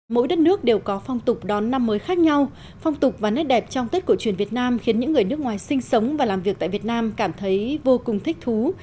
mỗi đất nước đều có phong tục đón năm mới khác nhau phong tục và nét đẹp trong tết cổ truyền việt nam khiến những người nước ngoài sinh sống và làm việc tại việt nam cảm thấy vô cùng thích thú